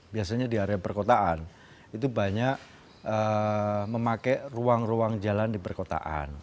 biasanya di area perkotaan itu banyak memakai ruang ruang jalan di perkotaan